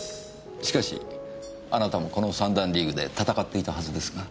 しかしあなたもこの三段リーグで戦っていたはずですが？